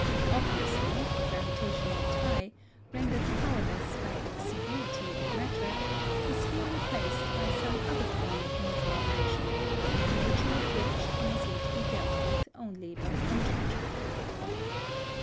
Obviously, the gravitational tie, rendered powerless by exiguity of matter, was here replaced by some other form of mutual action, the nature of which can as yet be dealt with only by conjecture.